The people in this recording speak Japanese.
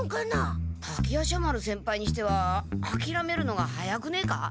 滝夜叉丸先輩にしてはあきらめるのが早くねえか？